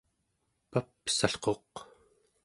papsalquq